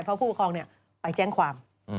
เพราะผู้ปกครองไปแจ้งความ